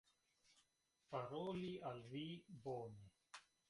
paroli al vi, bone.